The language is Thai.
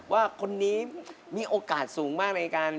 ว่าคนนี้มีโอกาสสูงมากในการ